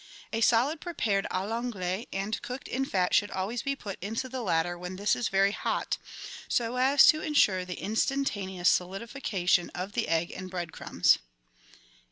A solid prepared a I'anglaise and cooked in fat should always be put into the latter when this is very hot, so as to ensure the instantaneous solidification of the egg and bread crumbs.